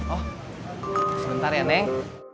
oh sebentar ya neng